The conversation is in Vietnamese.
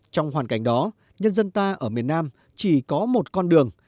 trong hoàn cảnh đó nhân dân ta ở miền nam chỉ có một con đường